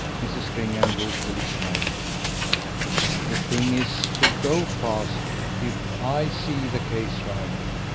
Mrs. Stringham woefully smiled. "The thing IS to go fast if I see the case right.